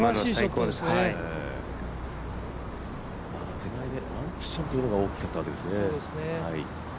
手前でワンクッションというのが大きかったんですね。